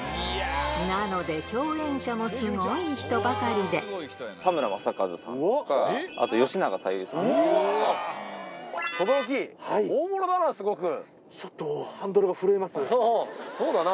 なので、共演者もすごい人ばかり田村正和さんとか、あと吉永うわー。ちょっと、ハンドルが震えまそうだな。